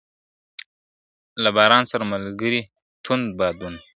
له باران سره ملګري توند بادونه ,